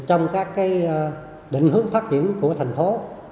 trong các định hướng phát triển của thành phố